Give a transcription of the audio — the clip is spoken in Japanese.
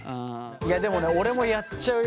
いやでもね俺もやっちゃうよ。